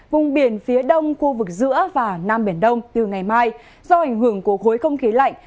vùng biển phía đông khu vực giữa và nam biển đông từ ngày mai do ảnh hưởng của khối không khí lạnh